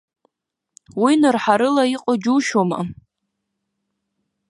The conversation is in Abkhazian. Уи нырҳарыла иҟоу џьушьома!